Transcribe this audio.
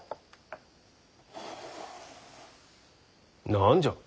何じゃ？